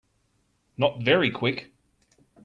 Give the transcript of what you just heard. Not very Quick